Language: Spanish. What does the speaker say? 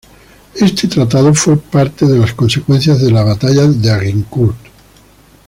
Este tratado fue parte de las consecuencias de la batalla de Agincourt.